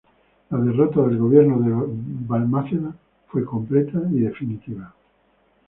La derrota del gobierno de Balmaceda fue completa y definitiva.